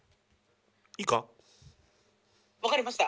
いいか？